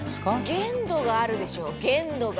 限度があるでしょう限度が。